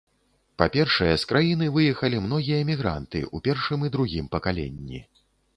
Па-першае, з краіны выехалі многія мігранты ў першым і другім пакаленні.